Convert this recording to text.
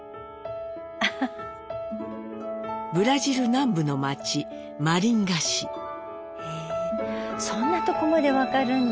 ブラジル南部の町マリンガ市。へそんなとこまで分かるんだ。